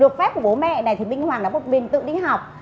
được phép của bố mẹ này thì minh hoàng là một mình tự đi học